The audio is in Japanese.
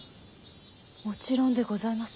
もちろんでございます。